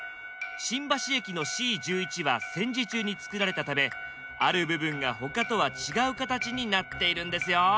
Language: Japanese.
新橋駅のＣ１１は戦時中に作られたためある部分が他とは違う形になっているんですよ。